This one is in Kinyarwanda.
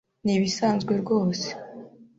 Nibisanzwe rwose.